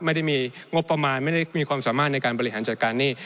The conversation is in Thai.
ไม่ได้มีงบประมาณไม่ได้มีความสามารถในการบริหารจัดการหนี้